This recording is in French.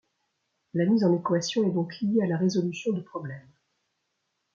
La mise en équation est donc liée à la résolution de problèmes.